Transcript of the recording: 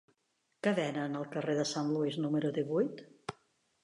Què venen al carrer de Saint Louis número divuit?